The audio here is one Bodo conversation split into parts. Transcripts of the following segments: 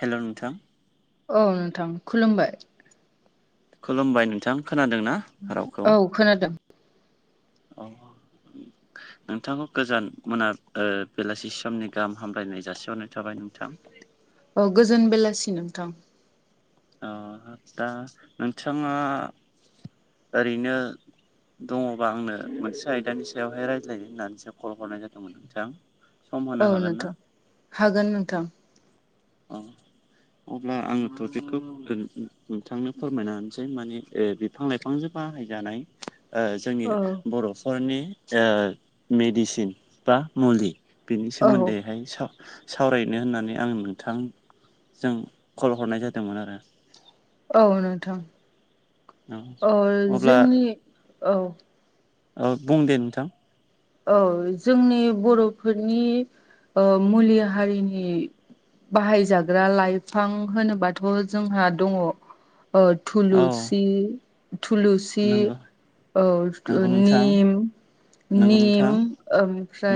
हेल' नोंथां औ नोंथां खुलुमबाय खुलुमबाय नोंथां खोनादों ना औ खोनादों अ नोंथांखौ गोजान मोना बेलासि समनि गाहाम हामलायनाय जासिहरनाय थाबाय नोंथां औ गोजोन बेलासि नोंथां अ दा नोंथाङा ओरैनो दङबा आंनो मोनसे आयदानि सायावहाय रायज्लायनो होननानैसो कल हरनाय जादोंमोन नोंथां सम होनो औ हागोन ना? नोंथां हागोन नोंथां औ अब्ला आङो टपिकखौ नोंथांनो फोरमायना होनसै माने ओ बिफां लाइफांजों बाहायजानाय जोंनि औ बर'फोरनि मेडिसिन बा मुलि बेनि औ सोमोन्दैहाय साव सावरायनो होननानै आं नों थांजों कल हरनाय जादोंमोन आरो। औ नोंथां औ अब्ला जोंनि औ औ बुं दे नोंथां। औ जोंनि बर'फोरनि ओ मुलि हारिनि बाहायजाग्रा लाइफां होनोबाथ' जोंहा दङ ओ औ थुलुसि थुलुसि नंगौ औ ओ नंगौ नोंथां निम नंगौ निम नोंथां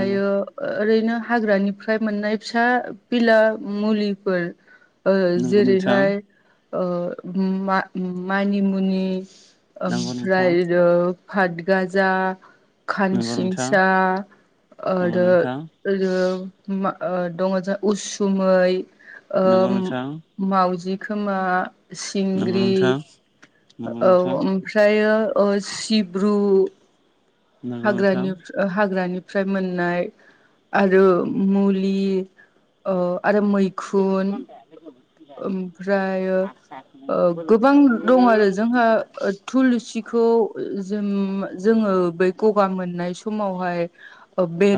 नंगौ ओरैनो हाग्रानिफ्राय मोननाय फिसा बिला मुलिफोर ओ नंगौ नोंथां जेरैहाय ओ मा मानिमुनि नंगौ नोंथां ओमफ्रायो पातगाजा खानस नंगौ नोंथां सिंसा नंगौ आरो नोंथां आरो मा दङ जों उसुमै नंगौ ओम नोंथां मावजि खोमा नंगौ सिंग्रि। नोंथां नंगौ औ नोंथां ओमफ्रायो ओ सिब्रु नंगौ नोंथां हाग्रानि हाग्रानिफ्राय मोननाय आरो मुलि ओ आरो मै [unintelligible] ओमफ्राय ओ गोबां दं आरो जोंहा ओ थुलुसिखौ जोम जोङो बै गगा मोननाय समावहाय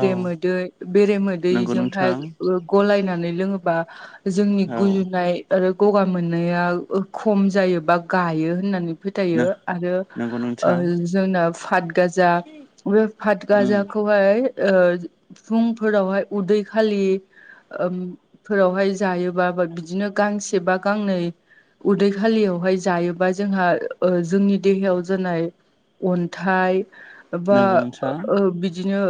औ मोदै बेरे नंगौ मोदैजोंहाय नोंथां ओ गलायनानै लोङोबा जोंनि औ गुजुनाय आरो गगा मोननाया खम जायो बा गायो होननानै फोथायो आरो नंगौ ओ नोंथां जोंना फात गाजा बे उम फातगाजाखौ फोरखौहाय ओ फुंफोरावहाय उदै खालि ओम फोरावहाय जायोबा बिदिनो गांसे बा गांनै उदै खालियावहाय जायोबा जोंहा ओ जोंनि देहायाव जानाय अन्थाइ बा नंगौ नोंथां ओ बिदिनो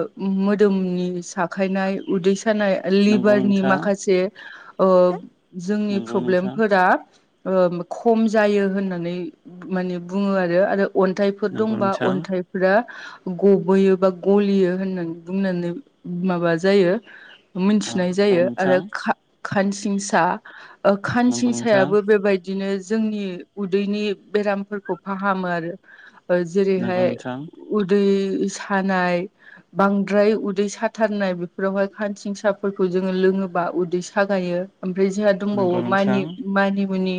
मोदोमनि साखायनाय उदै सानाय नंगौ लिभारनि नोंथां माखासे ओ जोंनि नंगौ नोंथां प्रब्लेमफोरा ओ खम जायो होननानै माने बुङो आरो आरो अन्थाइ फोर नंगौ दंबा नोंथां अन्थाइफोरा गबोयो बा गलियो होननानै बुंनानै माबा जायो औ मिथिनाय नंगौ जायो नोंथां आरो खा खानसिंसा ओ नंगौ नोंथां खानसिंसायाबो बेबाय दिनो जोंनि उदैनि बेरामफोरखौ फाहामो आरो। ओ नंगौ जेरैहाय नोंथां उदै सानाय बांद्राय उदै साथारनाय बेफोरावहाय खानसिंसाफोरखौ जोङो लोंङोबा उदै सागायो। ओमफ्राय जोङा नंगौ दंबावो मानि नोंथां मानिमुनि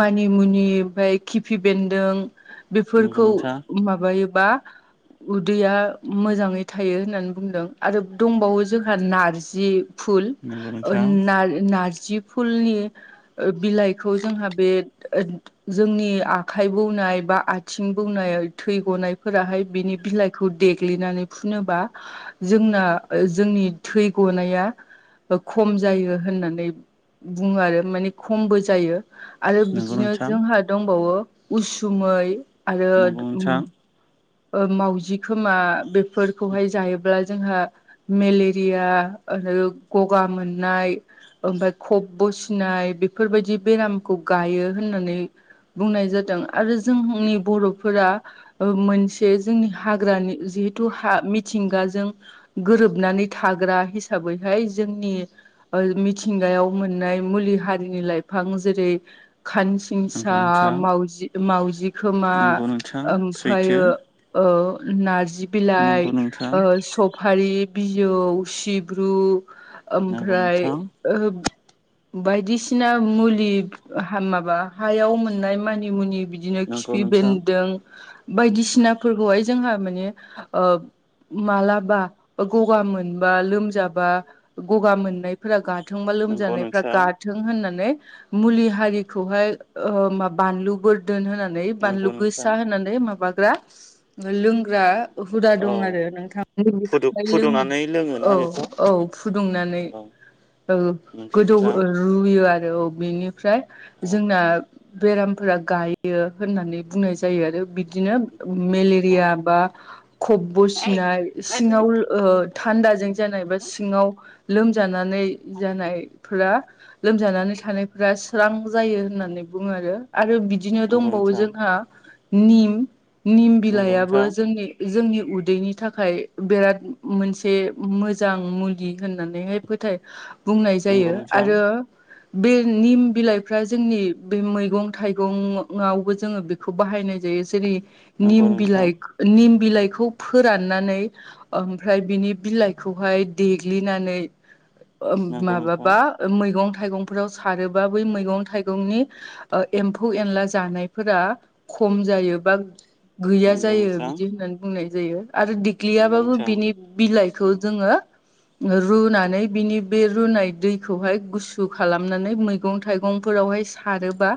मानिमुनि ओमफ्राय खिफि बेन्दों नंगौ बेफोरखौ नोंथां माबायोबा उदैया मोजाङै थायो होननानै बुंदों आरो दंबावो जोंहा नारजि। फुल नंगौ ओ नोंथां नारजि फुलनि ओ बिलाइखौ जोंहा बे ओ जोंनि आखाइ बौनाय बा आथिं बौनाय थै गनायफोराहाय बिनि बिलाइ खौ देग्लिनानै फुनोबा जोंना जोंनि थै गनाया ओ खम जायो होननानै बुङो आरो माने खमबो जायो आरो नंगौ बिदिनो नोंथां जोंहा दंबावो उसुमै आरो नंगौ [unintelligible] नोंथां ओ मावउजि खोमा बेफोरखौहाय जायोब्ला जोंहा मेलेरिया आरो गगा मोननाय ओमफफ्राय खब बसिनाय बेफोरबायदि बेरामखौ गायो होननानै बुंनाय जादों आरो जोंनि बर'फोरा मोनसे जे जोंनि हाग्रानि जिहेथु हा मिथिंगाजों गोरोबनानै थाग्रा हिसाबैहाय जोंनि मिथिंगायाव मोननाय मुलि हारिनि लाइफां जेरै खान नंगौ सिंसा नोंथां मावजि मावउजि खोमा नंगौ नोंथां सैथो ओमफ्रायो नारजि बिलाइ नंगौ नोंथां सब फारि बिजौ सिब्रु नंगौ ओमफ्राय नोंथां बायदिसिना मुलि माबा हायाव मोननाय मानि मुनि बिदि बिदिनो नंगौ खिफि नोंथां बेन्दों बायदिसिनाफोरखौहाय जोंहा माने ओ मालाबा गगा मोनबा लोमजाबा गगा मोननाय फोर गाथोंबा नंगौ लोमजानायफ्रा नोंथां गा होननानै मुलि हारिखौलाय बानलु दोन होनानै बानलु नंगौ गोसा नोंथां होनानै माबाग्रा लोंग्रा हुदा औ दं आरो नोंथां फुदुं बेखौहाय लोंङो फुदुंनानै लोङोना औ बेखौ औ फुदुंनानै औ औ नंगौ गोदौ नोंथां ओ रुयो आरो औ बेनिफ्राय औ जोंना बेरामफोरा गायो होननानै बुंनाय जायो आरो बिदिनो नंगौ नोंथां मेलेरिया बा खब ब सिनाय सिङाव ओ थान्द जों सिङाव लोमजानानै जानायफोरा लोमजानानै थानायफोरा स्रां जायो होननानै बुंङो आरो आरो बि बिदिनो नंगौ दंबावो नोंथां जोंहा निम निम नंगौ बिलाइबो नोंथां जोंनि जोंनि उदैनि थाखाय बिराद मोनसे मोजां मुलि होननानैहाय फोथाय बुंनाय नंगौ जायो नोंथां आरो बे निम बिलाइफ्रा जोंनि बे मैगं थाइगंवबो जोंङो बे खौ बाहायनाय जायो जेरै नंगौ निम नोंथां बिलाइ निम बिलाइखौ फोराननानै ओमफ्राय बिनि बिलाइखौहाय देग्लिनानै ओ नंगौ नोंथां माबाबा मैगं थाइगंफोराव सारोबा बै मैगं थाइगं नि ओ एम्फौ एनला जानायफोरा खम जायो बा गैया नंगौ जायो नोंथां बिदि होननानै बुंनाय जायो आरो दि नंगौ ग्ललियाबाबो नोंथां बिनि बिलाइखौ जोंङो रुनानै बिनि बे रुनाय दैखौहाय गुसु खालामनानै मैगं थाइगंफोरावहाय खारोबा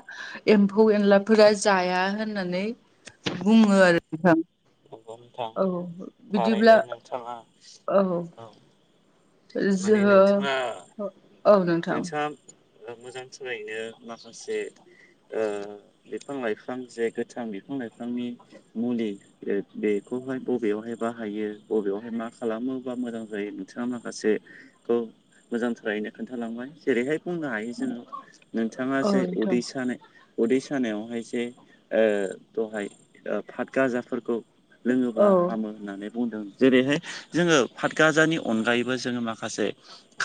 एम्फौ एनलाफोरा जाया होननानै बुंङो आरो नोंथां नंगौ नोंथां औ थारैदो बिदिब्ला नोंथांङा औ माने जोहो नोंथांङा औ नो नोंसहा मोजां सोलायैनो माखासे ओ बिफां लाइफां जे गोथां बिफां लाइफांनि मुलि बेखौहाय बबेयावहाय बाहायो बबेयावहाय मा खालामोबा मोजां जायो नोंथाङा माखासे खौ मोजांथारैनो खोन्थालांबाय जेरैहाय बुंनो हायो जोङो नोंथाङा औ जे नोंथां उदै सानाय उदै सानायावहाय जे ओ दहाय फातगाजाफोरखौ औ लोङोब्ला हामो। होननानै बुंदों जेरैहाय जोङो पातगाजानि अनगायैबो जोङो माखासे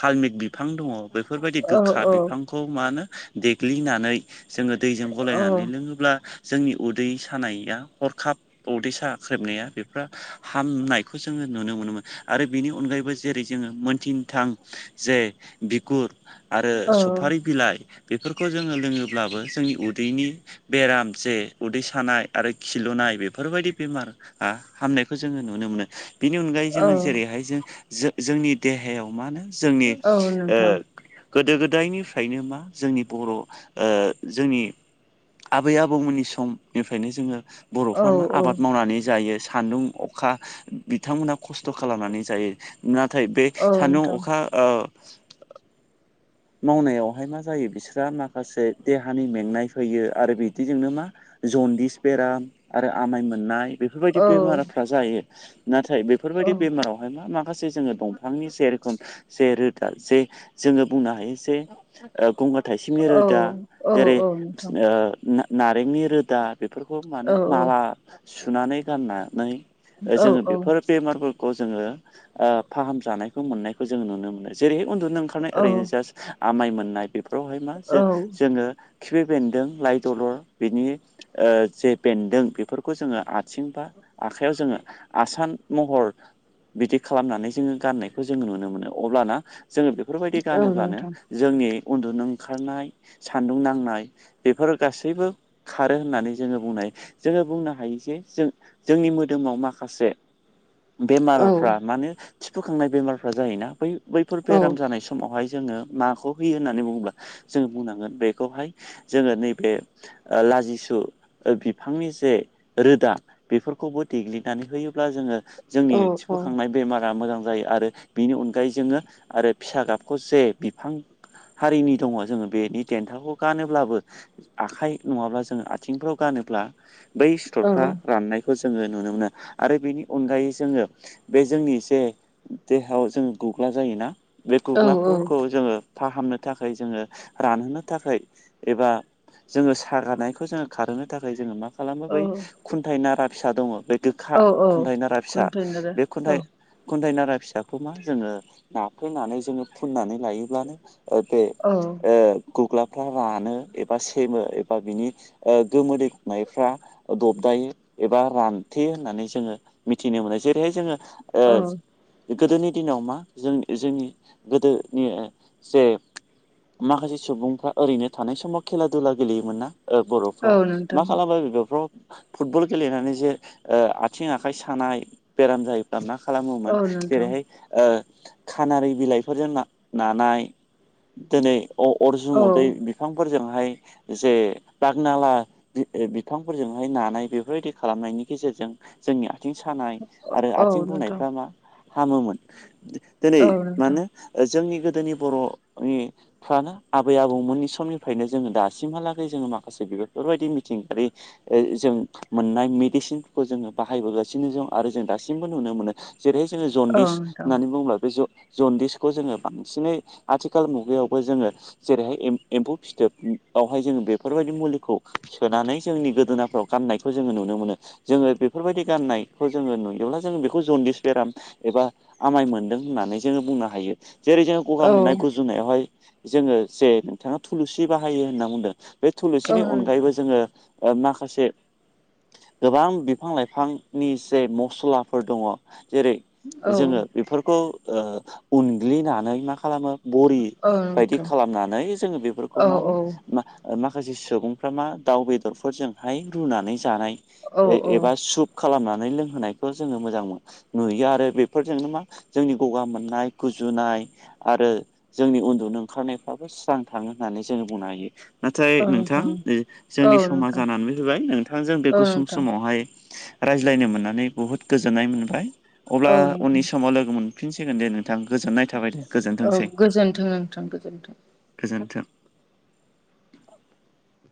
कार्मिक बिफां दङ बेफोरबायदि औ गोखा औ बिफांखौ मा होनो देग्लिनानै जोङो दैजों गलायनानै लोङोब्ला जोंनि उदै सानाया हरखाब उदै साख्रेबनाया बेफ्रा हामनायखौ जोङो नुनो मोनोमोन आरो बेनि अनगायैबो जेरै जोङो मोनथिन थां जे बिगुर आरो औ सफारि बिलाइ बेफोरखौ जोङो लोङोब्लाबो जोंनि उदैनि बेराम जे उदै सानाय आरो खिलुनाय बेफोरबायदि बेमार हामनायखौ जोङो नुनो मोनो बेनि अनगायै जोङो औ जेरैहाय जों जोंनि देहायाव मा होनो जोंनि औ ओ नोंथां गोदो गोदायनिफ्रायनो मा जोंनि बर' ओ जोंनि आबै आबौमोननि समनिफ्रायनो जोङो औ बर'फ्रा मा औ आबाद मावनानै जायो सान्दुं अखा बिथांमोना खस्थ' खालामनानै जायो। नाथाय बे औ सान्दुं नोंथां अखा ओ मावनायावहाय मा जायो बिस्राहा माखासे देहानि मेंनाय फैयो आरो बिदिजोंनो मा जनदिस बेराम आरो आमाय मोननाय बेफोरबायदि औ बेमारफ्रा जायो। नाथाय औ बेफोरबायदि बेमाराव माखासे जोङो दंफांनि सेर जे जोङो बुंनो हायो जे गंगार थाइसिमनि औ रोदा औ जेरै औ नोंथां ओ ना नारेंनि रोदा बेफोरखौ मानो औ माला औ सुनानै गाननानै जोङो औ बेफोर बेमार जोङो ओ फाहाम जानायखौ मोननायखौ जोङो नुनो मोनो जेरै उन्दुनो ओंखारनाय औ ओरैनो जास्ट आमाय मोननाय बेफोरावहाय मा जो औ जोङो खिफि बेन्दों लाइ दलर बिनि ओ जे बेन्दों बेफोरखौ जोङो आथिं बा आखाइयाव जोङो आसान महर बिदि खालामनानै जोङो गाननायखौ जोङो नुनो मोनो। अब्लाना जोङो बेफोरबायदि औ गानोब्लानो नोंथां जोंनि उन्दुनो ओंखारनाय सान्दुं नांनाय बेफोर गासैबो खारो होननानै जोङो बुंनाय जोङो बुंनो हायो जे जों जोंनि मोदोमाव माखासे औ बेमारफ्रा माने थिफुखांनाय बेमारफ्रा जायोना बै बैफोर औ बेराम जानाय समावहाय जोङो माखौ होयो होननानै बुङोब्ला जोङो बुंनांगोन बेखौहाय जोङो नैबे लाजिसु बिफांनि जे रोदा बेफोरखौबो देग्लिनानै होयोब्ला जोङो जोंनि औ औ थिफुखांनाय बेमारा मोजां जायो आरो बेनि अनगायै जोङो आरो फिसा गाब जे बिफां हारिनि दङ जोङो बेनि देन्थाखौ गानोब्लाबो आखाइ नङाब्ला जोङो आथिंफ्राव गानोब्ला बै औ सिथरफ्रा राननाय खौ जोङो नुनो मोनो आरो बेनि अनगायै जोङो बे जोंनि एसे देहायाव जोंङो गुग्ला जायोना बे गुग्लाफोरखौ औ जोङो फाहामनो थाखाय जोङो रानहोनो थाखाय एबा जोङो सागारनायखौ जोङो खारहोनो थाखाय जोङो मा खालामो बै औ खुन्थाइ नारा फिसा दङ बे गोखा औ औ खुन्थाइ नारा फिसा कन्टेनार बे औ खुन्थाइ खन्थाइ नारा फिसाखौ मा जोङो नाफोनानै जोङो फुननानै लायोब्लानो बे औ ओ गुग्लाफ्रा रानो एबा सेमो एबा बिनि गोमोदैनायफ्रा दबदायो एबा रानथे होननानै जोङो मिथिनो मोनो जेरैहाय जोङो ओ औ गोदोनि दिनाव मा जों जोंनि गोदोनि जे माखासे सुबुंफ्रा ओरैनो थानाय समाव खेला दुला गेलेयोमोन ना? बर'फ्रा औ मा नोंथां खालामो बिफोरखौ फुटबल गेलेनानै जे ओ आथिं आखाइ सानाय बेराम जायोफा मा खालामोमोन औ नोंथां जेरैहाय खानारि बिलाइ फोरजों नानाय दिनै अरज औ उदै बिफांफोरजोंहाय जे रागनाला बिफांफोरजोंहाय नानाय बेफोरबायदि खालामनायनि गेजेरजों जोंनि आथिं सानाय आरो औ आथिं नोंथां बुनायफ्रा मा हामोमोन। दिनै औ मा नोंथां होनो जोंनि गोदोनि बर'नि फ्रानो आबै आबौमोननि समनिफ्रायनो जोङो दासिमहालागै जोङो माखासे बेफोरबायदि मिथिंगायारि जों मोननाय मेडिसिनखौ जोङो बाहायबोगासिनो दं आरो जों दासिमबो नुनो मोनो। जेरैहाय जोङो औ जन्दिस नोंथां होननानै बुङोब्ला बे जों जन्दिस खौ जोङो बांसिनै आथिखाल मुगायावबो जोङो जेरैहाय एम्फौ फिथोब बेवहाय जोङो बेफोरबायदि मुलिखौ सोनानै जोंनि गोदोनाफ्राव गाननायखौ जोङो नुनो मोनो। जोङो बेफोरबायदि गाननायखौ जोङो नुयोब्ला जों बेखौ जनदिस बेराम एबा आमाय मोनदों होननानै जोङो बुंनो हायो जेरै जोङो गगा औ मोननाय गुजु जुनायावहाय जोङो जे नोंथाङा थुलुनसि बाहायो होनना बुंदों बे औ नोंथां औ थुलुनसिनि नोंथां अनगायैबो जोङो माखासे गोबां बिफां लाइफांनि जे मसलाफोर दङ' जेरै औ जोङो बेफोरखौ ओ उनग्लिनानै मा खालामो बरि औ बायदि नोंथां खालामनानै जोङो बेफोरखौ औ मा होनो मा माखासे सुबुंफ्रा मा दाउ बेदरफोरजोंहाय रुनानै जानाय एबा सुप खालामनानै लोंहोनायखौ जोङो मोजां मोनो नुयो आरो बेफोरजोंनो मा जोंनि गगा मोननाय गुजुनाय आरो जोंनि उन्दुनो ओंखारनायफ्राबो स्रां थाङो होननानै जोङो बुंनो हायो। नाथाय नोंथां नोंथां औ जोंनि समा जानानै फैबाय नोंथांजों बे गुसुं नोंथां समावहाय रायज्लायनो मोननानै बुहुद गोजोननाय मोनबाय अब्ला औ उननि नोंथां समाव लोगो मोनफिनसिगोन दे। नोंथां गोजोननाय थाबाय दे औ गोजोनथोंसै गोजोन्थों नोंथां गोजोन्थों गोजोनथों।